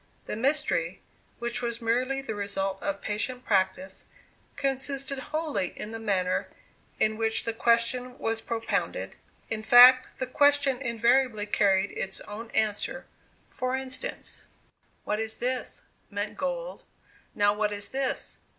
The mystery, which was merely the result of patient practice, consisted wholly in the manner in which the question was propounded; in fact, the question invariably carried its own answer; for instance: "What is this?" meant gold; "Now what is this?"